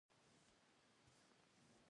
چیني درمل هم بازارونه نیولي دي.